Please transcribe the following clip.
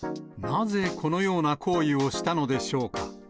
なぜ、このような行為をしたのでしょうか。